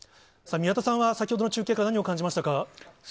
宮田さんは、先ほどの中継から何を感じましたか？